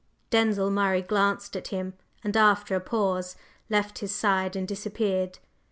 Denzil Murray glanced at him, and, after a pause, left his side and disappeared.